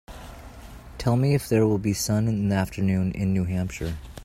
Tell me if there will be sun in the afternoon in New Hampshire